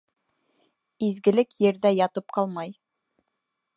Изгелек ерҙә ятып ҡалмай